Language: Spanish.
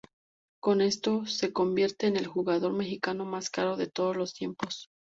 Con esto, se convierte en el jugador mexicano más caro de todos los tiempos.